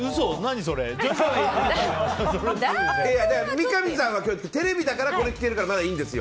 三上さんはテレビだからこれを着ているからまだいいんですよ。